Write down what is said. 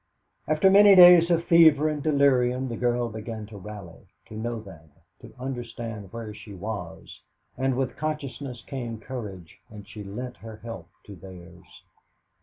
After many days of fever and delirium, the girl began to rally, to know them, to understand where she was; and with consciousness came courage, and she lent her help to theirs.